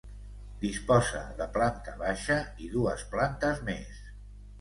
Disposa de planta baixa i dues plantes més.